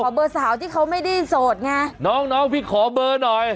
เบอร์สาวที่เขาไม่ได้โสดไงน้องน้องพี่ขอเบอร์หน่อย